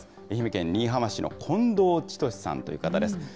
愛媛県新居浜市の近藤千年さんという方です。